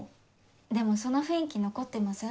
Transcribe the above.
でもその雰囲気残ってません？